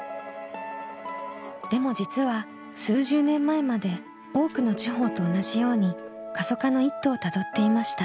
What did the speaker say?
でも実は数十年前まで多くの地方と同じように過疎化の一途をたどっていました。